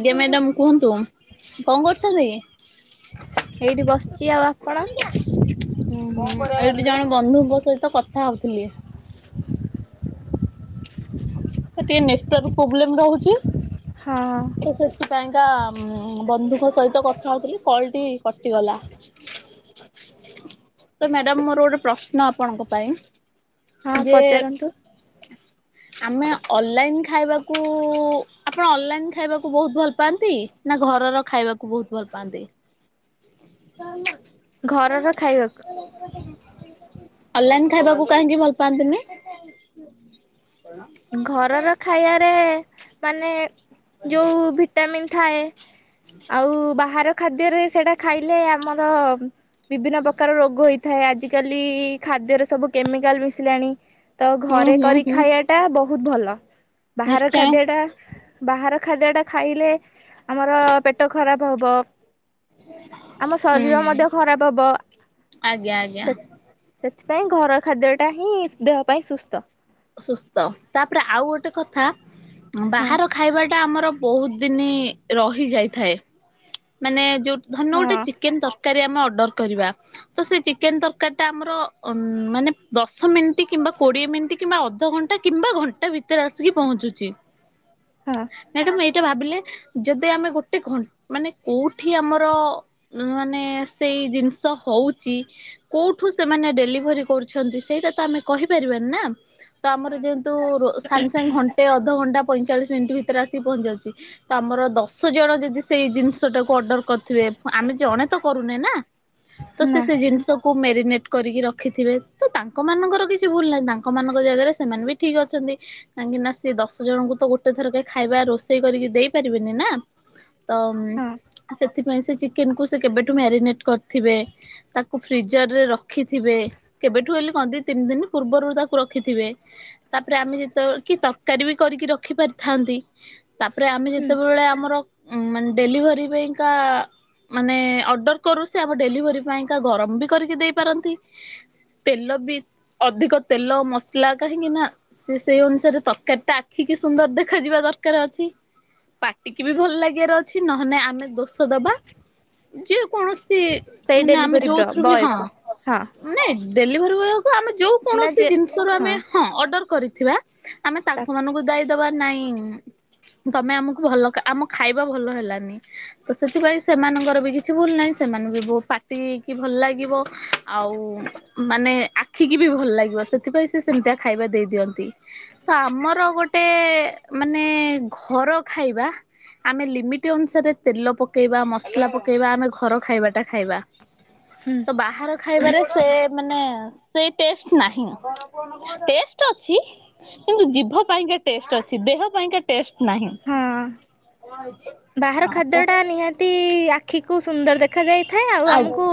ଆଜ୍ଞା! ମ୍ୟାଡାମ କୁହନ୍ତୁ, କଣ କରୁଛନ୍ତି? ଏଇଠି ବସିଛି ଆଉ ଆପଣ? ଉଁ ହୁଁ ଏଇଠି ଜଣେ ବନ୍ଧୁଙ୍କ ସହିତ କଥା ହଉଥିଲି। ହ ଟିକେ ନେଟୱାର୍ ପ୍ରୋବ୍ଲେମ ରହୁଛି। ହଁ। ସେଥିପାଇକା ତାଙ୍କ ବନ୍ଧୁଙ୍କ ସହିତ କଥା ହଉଥିଲି କଲଟି କଟିଗଲା। ତ ମ୍ୟାଡାମ ମୋର ଗୋଟେ ପ୍ରଶ୍ନ ଆପଣଙ୍କ ପାଇଁ। ହଁ ଯେ ପଚାରନ୍ତୁ। ଆମେ ଅଲଲାଇନ୍ ଖାଇବାକୁ ଆପଣ ଅନଲାଇନ୍ ଖାଇବାକୁ ବହୁତ ଭଲ ପାଆନ୍ତି? ନା ଘରର ଖାଇବାକୁ ବହୁତ ଭଲ ପାଆନ୍ତି? ଘରର ଖାଇବାକୁ। ଅନଲାଇନ୍ ଖାଇବାକୁ କାହିଁକି ଭଲ ପାଆନ୍ତି ନି? ଘରର ଖାଇବାରେ ମାନେ ଯୋଉ ଭିଟାମିନ୍ ଥାଏ। ଆଉ ବାହାର ଖାଦ୍ୟରେ ସେଇଟା ଖାଇଲେ ଆମର ବିଭିନ୍ନ ପ୍ରକାର ରୋଗ ହେଇଥାଏ, ଆଜିିକାଲି ଖାଦ୍ୟରେ ସବୁ କେମିକାଲ ମିଶିଲାଣି। ତ ହୁଁ ଘରେ ହୁଁ କରି ହୁଁ ଖାଇବାଟା ବହୁତ ଭଲ ବାହାର ନିଶ୍ଚୟ ଖାଦ୍ୟଟା ବାହାର ଖାଦ୍ୟ ଟା ଖାଇଲେ ଆମର ପେଟ ଖରାପ ହବ ଆମ ହୁଁ ଶରୀର ମଧ୍ୟ ଖରାପ ହବ ଆଜ୍ଞା ଆଜ୍ଞା। ସେ ସେଥିପାଇଁ ଘର ଖାଦ୍ୟ ଟା ହିଁ ଦେହ ପାଇଁ ସୁସ୍ଥ। ସୁସ୍ଥ ତାପରେ ଆଉ ଗୋଟେ କଥା ହଁ ବାହାର ଖାଇବାଟା ଆମର ବହୁତ ଦିନ ରହିଯାଇଥାଏ। ମାନେ ଯଉ ଧରିନିଅ ଗୋଟେ ହଁ ଚିକେନ ତରକାରୀ ଆମେ ଅର୍ଡ଼ର କରିବା ସେ ଚିକେନ ତରକାରୀ ଟା ଆମର ମାନେ ଦଶ ମିନଟ ଦଶ ମିନଟ କିମ୍ବା କୋଡିଏ ମିନିଟ କିମ୍ବା ଅଧଘଣ୍ଟା କିମ୍ବା ଘଣ୍ଟାଏ ଭିତରେ ଆସିକି ପହଞ୍ଚୁଛି। ହଁ। ମ୍ୟାଡାମ୍ ଏଇଟା ଭାବିଲେ ଯଦି ଆମେ ଗୋଟେ ଘ ମାନେ କେଉଁଠି ଆମର ମାନେ ସେଇ ଜିନିଷ ହଉଚି? କୋଉଠୁ ସେମାନେ ଡେଲିଭରି କରୁଛନ୍ତି, ସେଇଟା ତ ଆମେ କହି ପାରିବାନି ନା? ତ ନା ଆମର ଯେହେତୁ ରୋ ସାଙ୍ଗ୍ ସାଙ୍ଗ୍ ଘ ଅଧଘଣ୍ଟା ପଇଁଚାଳିଶ ମିନିଟ୍ ଭିତରେ ଆସିକି ପହଞ୍ଚି ଯାଉଛି। ତ ଆମର ଦଶ ଜଣ ଯଦି ସେଇ ଜିନିଷ ଯୋଉଟାକୁ ଅଡର୍ କରୁଥିବେ। ଆମେ ଜଣେ ତ କରୁନେ ନା। ତ ନା ସେ ଜିନିଷ ଖୁବ୍ ମ୍ୟାରିନେଟ୍ କରିକି ରଖିଥିବେ ତ ତାଙ୍କମାନଙ୍କର କିଛି ଭୁଲ୍ ନାହିଁ। ତାଙ୍କମାନଙ୍କ ଜାଗାରେ ସେମାନେ ବି ଠିକ୍ ଅଛନ୍ତି। କାହିଁକି ନା ସିଏ ଦଶ ଜଣଙ୍କୁ ତ ଗୋଟେ ଥରକେ ଖାଇବା ରୋଷେଇ କରିକି ଦେଇ ପାରିବେନି ନା। ତ ହଁ ସେଥିପାଇଁ ସେ ଚିକେନକୁୁ ସେ କେବେଠୁ ମ୍ୟାରିନେଟ୍ କରିଥିବେ। ତାକୁ ଫ୍ରିଜରରେ ରଖିଥିବେ। କେବେଠୁ ହେଲେ କଣ ଦି ତିନି ଦିନ ପୂର୍ବରୁ ତାକୁ ରଖିଥିବେ। ତା ପରେ ଆମେ ଯେତେବେଳେ କି ତରକାରୀ ବି କରିକି ରଖି ପାରିଥାନ୍ତି। ତା ପରେ ଆମେ ହୁଁ ଯେତେବେଳେ ଆମର ମାନେ ଡେଲିଭରି ପାଇଁକା ମାନେ ଅର୍ଡର କରୁ। ସେ ଆମ ଡେଲିଭରି ପାଇଁକା ଗରମ ବି କରିକି ଦେଇ ପାରନ୍ତି। ତେଲ ବି ଅଧିକ ତେଲ ମସଲା କାହିଁକି ନା ସେ ସେଇ ଅନୁସାରେ ତରକାରୀ ଟା ଆଖିକି ସୁନ୍ଦର ଦେଖାଯିବା ଦରକାର ଅଛି। ପାଟିକି ବି ଭଲ ଲାଗିବାର ଅଛି ନ ହେଲେ ଆମେ ଦୋଷ ଦବା। ଯେ କୌଣସି ସେଇ ମାନେ ଆମେ ଡେଲିଭରି ବ୍ର ଯୋଉଥିରୁୁ ବି। ବୟ ହଁ। କୁ ହଁ ନାଇଁ ଡେଲିଭରି ବେଳକୁ ଆମେ ଯୋଉ ନା କୌଣସି ଯେ ଜିନିଷରୁ ଆମେ ହଁ ଅର୍ଡର କରିଥିବା ଆମେ ତା ତାଙ୍କ ମାନଙ୍କୁ ଦାୟୀ ଦବା ନାଇଁ। ତମେ ଆମକୁ ଭଲ ଆମ ଖାଇବା ଭଲ ହେଲାନି। ତ ସେଥିପାଇଁ ସେମାନଙ୍କର ବି କିଛି ଭୁଲ ନାହିଁ। ସେମାନଙ୍କୁ ବି ପାଟିକି ଭଲ ଲାଗିବ। ଆଉ ମାନେ ଆଖିକି ବି ଭଲ ଲାଗିବ। ସେଥିପାଇଁ ସେ ସେମିତିଆ ଖାଇବା ଦେଇ ଦିଅନ୍ତି। ତ ଆମର ଗୋଟେ ମାନେ ଘର ଖାଇବା। ଆମେ ଲିମିଟ୍ ଅନୁସାରେ ତେଲ ପକେଇବା ମସଲା ପକେଇବା ଆମେ ଘର ଖାଇବାଟା ଖାଇବା। ହୁଁ। ତ ବାହାର ଖାଇବାରେ ସେ ମାନେ ସେ ଟେଷ୍ଟ ନାହିଁ। ଟେଷ୍ଟ୍ ଅଛି। କିନ୍ତୁ ଜିଭ ପାଇଁକା ଟେଷ୍ଟ୍ ଅଛି, ଦେହ ପାଇଁକା ଟେଷ୍ଟ୍ ନାହିଁ। ହଁ ବାହାର ହଁ ଖାଦ୍ୟଟା ତ ନିହାତି ଆଖିକୁ ସୁନ୍ଦର ଦେଖା ଯାଇଥାଏ ଆଉ ଆ ଆମକୁ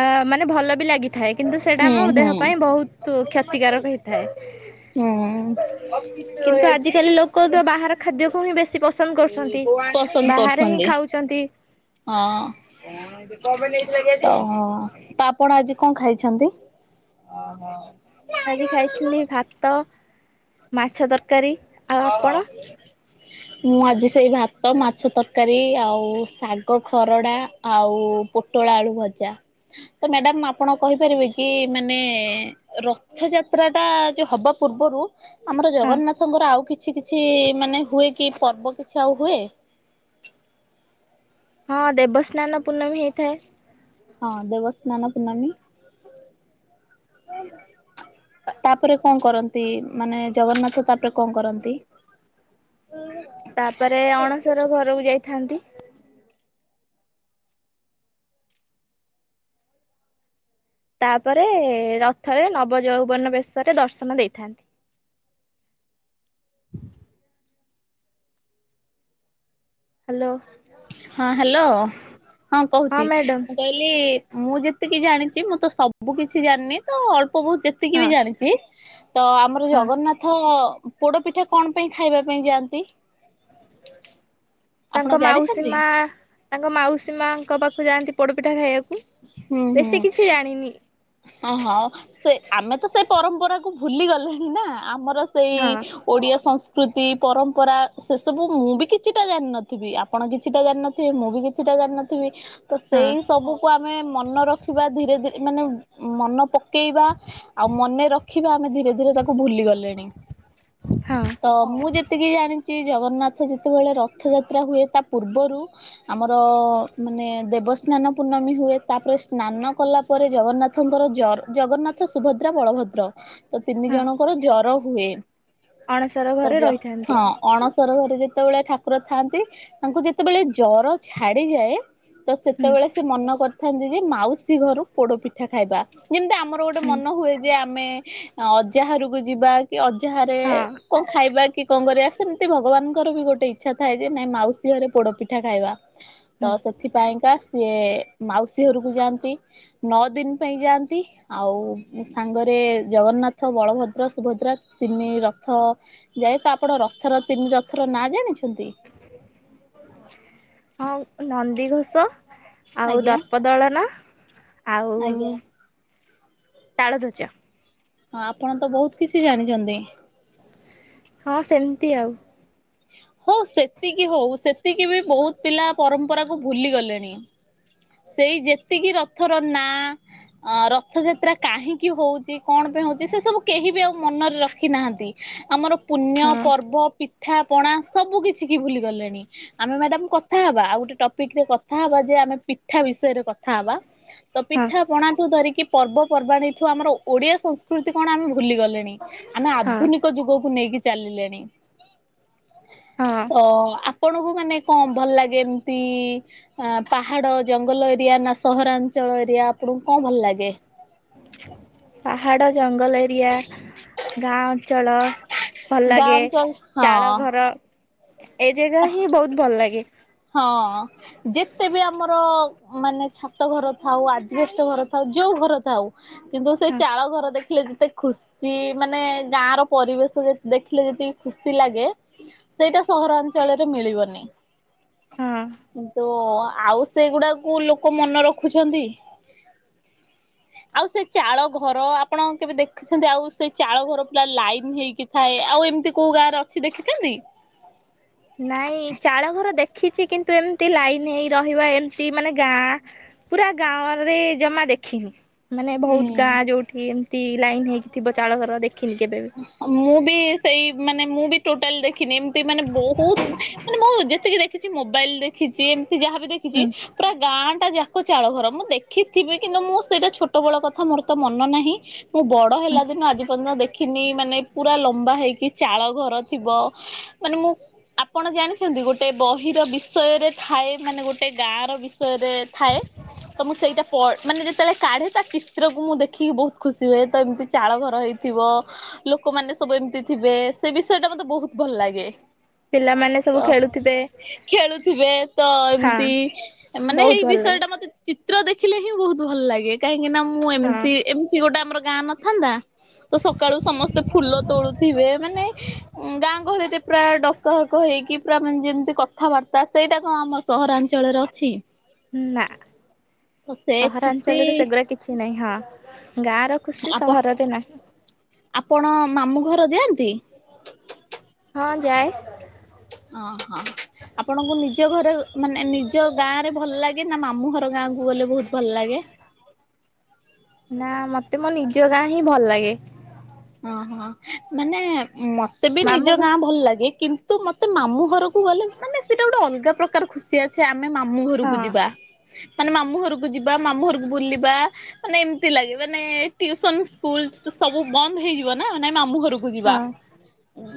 ଆ ମାନେ ଭଲ ବି ଲାଗି ଥାଏ କିନ୍ତୁ ସେଇଟା ହୁଁ ଆମ ଦେହ ହୁଁ ପାଇଁ ବହୁତ କ୍ଷତିକାରକ ହୁଁ ହେଇଥାଏ। କିନ୍ତୁ ଆଜିକାଲି ଲୋକ ତ ବାହାର ଖାଦ୍ୟକୁ ହିଁ ବେଶି ପସନ୍ଦ କରୁଛନ୍ତି। ପସନ୍ଦ ବାହାରେ ହିଁ କରଛନ୍ତି। ଖାଉଛନ୍ତି ହଁ। ତ ଆପଣ ଆଜି କଣ ଖାଇଛନ୍ତି? [inaudible] ମୁଁ ଆଜି ଖାଇଥିଲି ଭାତ, ମାଛ ତରକାରୀ। ଆଉ ଓ ହୋ। ଆପଣ ମୁଁ ଆଜି ସେଇ ଭାତ ମାଛ ତରକାରୀ ଆଉ ଶାଗ ଖରଡ଼ା। ଆଉ ପୋଟଳ ଆଳୁ ଭଜା। ତ ମ୍ୟାଡ଼ାମ ଆପଣ କହିପାରିବେ କି ମାନେ ରଥ ଯାତ୍ରାଟା ଯୋ ହବା ପୂର୍ବରୁ ଆମର ହଁ ଜଗନ୍ନାଥଙ୍କର ଆଉ କିଛି କିଛି ମାନେ ହୁଏ କି ପର୍ବ କିଛି ଆଉ ହୁଏ। ହଁ ଦେବସ୍ନାନ ପୂର୍ଣ୍ଣମା ହେଇଥାଏ। ହଁ ଦେବସ୍ନାନ ପୂର୍ଣମୀ। ତାପରେ କଣ କରନ୍ତି ମାନେ ଜଗନ୍ନାଥ ତାପରେ କଣ କରନ୍ତି। ହଁ। [unintelligible] ତାପରେ ଅଣସର ଘରକୁ ଯାଇଥାନ୍ତି। ତାପରେ ରଥରେ ନବ ଯୌବନ ବେଶରେ ଦର୍ଶନ ଦେଇଥାନ୍ତି। [inaudible] ହ୍ୟାଲୋ। ହଁ ହ୍ୟାଲୋ ହଁ କହୁଛି। ମୁଁ ଯେତିକି ଜାଣିଛି ମୁଁ ତ ସବୁ କିଛି ଜାଣିନି ତ ଅଳ୍ପ ବହୁତ ଯେ ଯେତିକି ବି ହଁ ଜାଣିଛି ତ ଆମର ହଁ ଜଗନ୍ନାଥ। ଜଗନ୍ନାଥ ପୋଡ ପିଠା କଣ ପାଇଁ ଖାଇବା ପାଇଁ ଯାଆନ୍ତି। ଆପଣ ତାଙ୍କ ମାଉସୀ ଜାଣିଛନ୍ତି? ମା ତାଙ୍କ ମାଉସୀ ମାଙ୍କ ପାଖକୁ ଯାଆନ୍ତି ପୋଡ଼ପିଠା ଖାଇବାକୁ। ବେଶୀ କିଛି ଜାଣିନି। ହ ହଁ ସେ ଆମେ ତ ସେଇ ପରମ୍ପରାକୁୁ ଭୁଲି ଗଲେଣି ନା ଆମର ସେଇ ହଁ ଓଡ଼ିଆ ସଂସ୍କୃତି ପରମ୍ପରା ସେସବୁ ମୁଁ ବି କିଛିଟା ଜାଣିନଥିବି ଆପଣ କିଛିଟା ଜାଣିନଥିବେ ମୁଁ ବି କିଛିଟା ଜାଣିନଥିବି। ତ ସେଇ ସବୁକୁ ଆମେ ମନେ ରଖିବା ଧୀରେ ଧୀରେ ମାନେ ମନ ପକ ପକେଇବା ଆଉ ମନେ ରଖିବା ଆମେ ଧୀରେ ଧୀରେ ତାକୁ ଭୁଲି ଗଲେଣି। ହଁ। ତ ମୁଁ ଯେତିକି ଜାଣିଛି ଜଗନ୍ନାଥ ଯେତେବେଳେ ରଥଯାତ୍ରା ହୁଏ ତା ପୂର୍ବରୁ ଆମର ମାନେ ଦେବସ୍ନାନ ପୁର୍ଣିମା ହୁଏ ତାପରେ ସ୍ନାନ କଲା ପରେ ଜଗନ୍ନାଥ ଜର ଜଗନ୍ନାଥ ସୁଭଦ୍ରା ବଳଭଦ୍ର ଏ ତିନି ହଁ ଜଣଙ୍କର ଜର ହୁଏ। ଅଣସର ସେ ଘରେ ଯ [unintelligible] ରହିଥାନ୍ତି ହଁ। ଅଣସର ଘରେ ଯେତେବେଳେ ଠାକୁର ଥାଆନ୍ତି ତାଙ୍କୁ ଯେତେବେଳେ ଜର ଛାଡିଯାଏ। ତ ହୁଁ ସେତେବେଳେ ସେ ମନେ କରିଥାନ୍ତି ଯେ ମାଉସୀ ଘରୁ ପୋଡ ପିଠା ଖାଇବା ଯେମିତି ଆମର ଆମର ଗୋଟେ ହୁଁ ମନ ହୁଏ ଯେ ଆମେ ଅଜା ଘର କୁ ଯିବା। କି ଅଜା ଘରେ ରେ ହଁ କଣ ଖାଇବା କି କଣ କରିବା ସେମିତି ଭଗବାନଙ୍କର ବି ଗୋଟେ ଇଚ୍ଛା ଥାଏ ଯେ ନାଇଁ ମାଉସୀ ଘରେ ପୋଡପିଠା ଖାଇବା। ହୁଁ ତ ସେଥିପାଇଁକା ସିଏ ମାଉସୀ ଘରକୁ ଯାଆନ୍ତି ନଅ ଦିନ ପାଇଁ ଯାଆନ୍ତି। ଆଉ ସାଙ୍ଗରେ ଜଗନ୍ନାଥ ବଳଭଦ୍ର ସୁଭଦ୍ରା ତିନି ରଥ ଯାଏ ତ ଆପଣ ରଥର ତିନି ରଥର ନା ଜାଣିଛନ୍ତି। ହଁ ନନ୍ଦିଘୋଷ ଆଉ ଆଜ୍ଞା ଦର୍ପଦଳନ ଆଉ ଆଜ୍ଞା ତାଳଧ୍ୱଜ। ହଁ ଆପଣ ତ ବହୁତ କିଛି ଜାଣିଛନ୍ତି। ହଁ ସେମିତି ଆଉ। ହଉ ସେତିକି ହଉ ସେତିକି ବି ବହୁତ ପିଲା ପରମ୍ପରାକୁ ଭୁଲିଗଲେଣି। ସେଇ ଯେତିକି ରଥର ନା ଅ ରଥଯାତ୍ରା କାହିଁକି ହଉଛି କଣପାଇଁ ହଉଛି ସେ ସବୁ କେହି ବି ଆଉ ମନରେ ରଖିନାହାନ୍ତି। ଆମର ପୁଣ୍ୟ ହଁ ପର୍ବ ପିଠା ପଣା ସବୁ କିଛି କି ଭୁଲି ଗଲେଣି। ଆମେ ମ୍ୟାଡାମ କଥା ହବା ଆଉ ଗୋଟେ ଟପିକରେ କଥା ହବା ଯେ ଆମେ ପିଠା ବିଷୟରେ କଥା ହବା। ତ ହଁ ପିଠା ପଣାଠୁ ଧରିକି ପର୍ବପର୍ବାଣୀଠୁ ଆମର ଓଡିଆ ସଂସ୍କୃତି କଣ ଆମେ ଭୁଲି ଗଲେଣି। ଆମେ ହଁ ଆଧୁନିକ ଯୁଗକୁ ନେଇକି ଚାଲିଲେଣି। ହଁ ତ ଆପଣଙ୍କୁ ମାନେ କଣ ଭଲ ଲାଗେ ଏମିତି। ଆ ପାହାଡ ଜଙ୍ଗଲ ଏରିଆ ନା ସହରାଞ୍ଚଳ ଏରିଆ ଆପଣଙ୍କୁ କଣ ଭଲ ଲାଗେ। ପାହାଡ଼ ଜଙ୍ଗଲ ଏରିଆ ଗାଁ ଅଞ୍ଚଳ। ଭଲ ଗାଁ ଲାଗେ, ଅଞ୍ଚଳ ଚାଳ ହଁ ଘର, ଏ ଜାଗା ହିଁ ବହୁତ ଭଲ ଲାଗେ। ହଁ। ଯେତେ ବି ଆମର ମାନେ ଛାତଘର ଥାଉ, ଆଜବେଷ୍ଟ ଘର ଥାଉ, ଯୋଉ ଘର ଥାଉ କିନ୍ତୁ ସେ ହଁ ଚାଳ ଘର ଦେ ଖିଲେ ଯେତେ ଖୁସି ମାନେ ଗାଁର ପରିବେଶ ଦେଖିଲେ ଯେତିକି ଖୁସି ଲାଗେ, ସେଇଟା ସହରାଞ୍ଚଳରେ ମିଳିବନି, ହଁ। କିନ୍ତୁ ଆଉ ସେଗୁଡାକୁ ଲୋକ ମନେ ରଖୁଛନ୍ତି? ଆଉ ସେ ଚାଳ ଘର, ଆପଣ କେବେ ଦେଖ ଖିଛନ୍ତି? ଆଉ ସେ ଚାଳ ଘର ପୁରା ଲାଇନ ହେଇକି ଥାଏ, ଆଉ ଏମିତି କୋଉ ଗାଁରେ ଅଛି ଦେଖିଛନ୍ତି? ନାଇଁ, ଚାଳ ଘର ଦେଖିଛି କିନ୍ତୁ ଏମ ତି ଲାଇନ୍ ହେଇ ରହିବ, ଏମତି ମାନେ ଗାଁ ପୁରା ଗାଁ ରେ ଜମା ଦେଖିନି। ମାନେ ବହୁତ୍ ଉଁ ଗାଁ ଯୋଉଠି ଏମତି ଲାଇନ ହେଇକି ଥିବ ଚାଳଘର ଦେଖିନି କେବେବି। ମୁଁ ବି ସେଇ, ମାନେ ମୁଁ ବି ଟୋଟାଲି ଦେ ଖିନି ଏମିତି ମାନେ ବହୁତ୍ ମାନେ ମୁଁ ଯେତିକି ଦେଖିଛି ମୋବାଇଲରେ ଦେଖିଛି। ଯାହା ବି ଦେଖିଛି, ହୁଁ ପୁରା ଗାଁଟା ଯା କ ଚାଳ ଘର। ମୁଁ ଦେଖିଥିବି କିନ୍ତୁ ମୁଁ ସେଇଟା ଛୋଟ ବେଳ କଥା ମୋର ତ ମନ ନାହିଁ। ମୁଁ ବଡ ହେଲା ଦିନୁ ଆଜି ପର୍ଯ୍ୟନ୍ତ ଦେ ଖିନି ମାନେ ପୁରା ଲମ୍ବା ହେଇକି ଚାଳ ଘର ଥିବ, ମାନେ ମୁଁ ଆପଣ ଜାଣିଛନ୍ତି? ଗୋଟେ ବହିର ବିଷୟରେ ଥାଏ ମାନେ ଗୋଟେ ଗାଁର ବିଷ ୟରେ ଥାଏ, ତ ମୁଁ ସେଇଟା ପ ମାନେ ଯେତେବେଳେ କାଢ଼େ ତା ଚିତ୍ରକୁ ମୁଁ ଦେଖିକି ବହୁତ ଖୁସି ହୁଏ ତ ଏମିତି ଚାଳ ଘର ହେଇଥିବ ଲୋକମାନେ ସବୁ ଏମିତି ଥିବେ, ସେ ବିଷୟଟା ମତେ ବହୁତ ଭଲ ଲାଗେ। ପିଲାମାନେ ତ ସବୁ ଖେଳୁଥିବେ ଖେଳୁଥିବେ ତ ହଁ ଏମତି ମାନେ ବହୁତ ହେଇ ଭଲ ଲାଗେ ବିଷୟଟା ମତେ ଚିତ୍ର ଦେଖିଲେ ହିଁ ବହୁତ ଭଲ ଲାଗେ, କାହିଁକିନା ମୁଁ ହଁ ଏମିତି ଏମିତି ଗୋଟେ ଆମର ଗାଁ ନଥାନ୍ତା। ତ ସକାଳୁ ସମସ୍ତେ ଫୁଲ ତୋଳୁଥିବେ ମାନେ ଗାଁ ଗହଳିରେ ପ୍ରାୟ ଡକାହକ ହେଇକି ପୁରା ମାନେ ଯେମିତି କଥାବାର୍ତ୍ତା, ସେଇଟା କଣ ଆମ ସହରାଞ୍ଚଳରେ ଅଛି? ନା, ତ ସେ ଖୁସି ସହରାଞ୍ଚଳରେ ସେଗୁରା କି କିଛି ନାହିଁ, ହଁ, ଗାଁର ଖୁସି ଆପଣ ସହରରେ ନାହିଁ। ଆପଣ ମାମୁଁ ଘର ଯାଆନ୍ତି? ହଁ ଯାଏ। ଅଁ ହ। ଆପଣଙ୍କୁ ନିଜ ଘରେ ମାନେ ନିଜ ଗାଁ ରେ ଭଲ ଲାଗେ ନା ମାମୁଁ ଘର ଗାଁ କୁ ଗଲେ ବହୁତ ଭଲ ଲାଗେ? ନା ମତେ ମୋ ନିଜ ଗାଁ ହିଁ ଭଲ ଲାଗେ। ଅଁ ହଁ, ମାନେ ମତେ ବି ମାମୁଁ ନିଜ ଘ ଗାଁ ଭଲ ଲାଗେ କି ତ ମତେ ମାମୁଁ ଘରକୁ ଗଲେ ମାନେ ସେଇଟା ଗୋଟେ ଅଲଗା ପ୍ରକାର ଖୁସି ଅଛେ ଆମେ ମାମୁ ଘରକୁ ହଁ ଯିବା। ମାନେ ମାମୁଁ ଘରକୁ ଯିବା, ମାମୁଁ ଘରକୁ ବୁଲିବା, ମାନେ ଏମତି ଲାଗେ, ମାନେ ଟିଉସନ ସ୍କୁଲ ସବୁ ବନ୍ଦ ହେଇଯିବ ନା, ନାଇଁ ମମୁ ଘରକୁ ଯିବା। ହଁ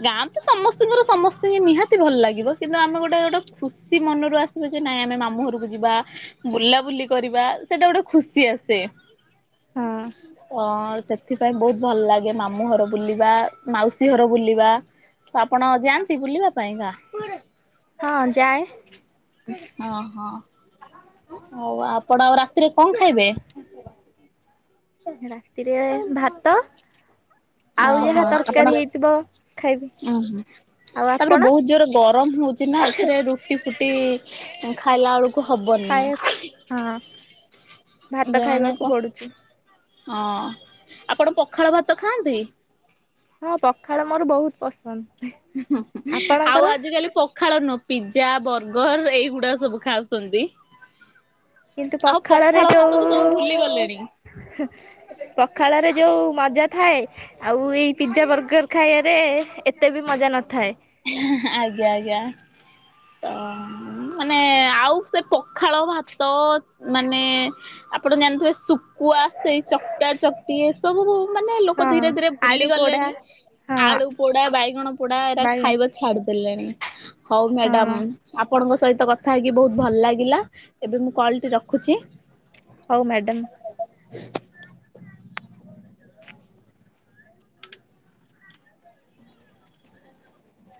ଗାଁ ତ ସମସ୍ତିଙ୍କର ସମସ୍ତିଙ୍କି ନିହାତି ଭଲ ଲାଗିବ କିନ୍ତୁ ଆମେ ଗୋଟେ ଗୋଟେ ଖୁସି ମନରୁ ଆସି ଯେ ନାଇଁ ଆମେ ମାମୁଁ ଘରକୁ ଯିବା, ବୁଲାବୁଲି କରିବା, ସେଇଟା ଗୋଟେ ଖୁସି ଆସେ। ହଁ। ଅଁ ସେଥିପାଇଁ ବହୁତ ଭଲ ଲାଗେ ମାମୁଁ ଘର ବୁଲିବା, ମାଉସୀ ଘର ବୁଲିବା। ତ ଆପଣ ଯାଆନ୍ତି ବୁଲିବା ପାଇଁ ଗାଁ? ହଁ ଯାଏ। ଅଁ ହଁ ହଉ ଆପଣ ଆଉ ରାତିରେ କଁ ଖାଇବେ? ରାତିରେ ଭାତ। ଆଉ ଅହ ଯାହା ଆପଣ ତରକାରୀ ହେଇଥିବ ଖାଇବି ଅଁ ହଁ ଆଉ ତାପରେ ଆପଣ ବହୁତ ଜୋର ଗରମ ହୋଉଚି ନାଁ ଏଥିରେ ରୁଟି ଫୁଟି ଖାଇଲା ଅଳୁ କୁ ହବନି ଖାଇବା ହଁ ଭାତ ଦେ ମାନେ ଖାଇବାକୁ କ ପଡୁଛି ହଁ ଆପଣ ପଖାଳ ଭାତ ଖାଆନ୍ତି? ହଁ ପଖାଳ ମୋର ବହୁତ ପସନ୍ଦ। ଆଉ ଆପଣଙ୍କର ଆଜିକାଲି ପ ଖାଳ ନୁହଁ ପିଜା ବର୍ଗର ଏଇଗୁଡ଼ାଅ ସବୁ ଖାଉସନ୍ତି। କିନ୍ତୁ ଆଉ ପଖାଳରେ ପଖାଳ ଯୋଉ ହାତକୁ ସବୁ ଭୁଲି ଗଲେଣି। ପଖାଳରେ ଯୋଉ ମଜା ଥାଏ ଆଉ ଏଇ ପିଜା ବର୍ଗର ଖାଇବାରେ ଏତେ ବି ମଜା ନଥାଏ। ଆଜ୍ଞା ଆଜ୍ଞା। ତ ମାନେ ଆଉ ସେ ପଖାଳ ଭାତ ମାନେ ଆପଣ ଜାଣିଥିବେ ଶୁ କୁଆ ସେଇ ଚକଟା ଚକଟି ଏ ସବୁ ମାନେ ଲୋକ ହଁ ଧୀରେ ଧୀରେ ଆଳୁ ଭୁଲି ପୋଡା ଗଲେଣି। ହଁ ଆଳୁ ପୋଡ଼ା ବାଇଗଣ ପୋଡ଼ା ଏରା ବାଇଗଣ ଛାଡ଼ି ଦେଲେଣି। ହଉ ହଁ ମ୍ୟାଡାମ ଆପଣଙ୍କ ସହିତ କଥା ହେଇକି ବହୁତ ଭଲ ଲାଗିଲା। ଏବେ ମୁଁ କଲଟି ରଖୁଛି। ହଉ ମ୍ୟାଡ଼ମ୍।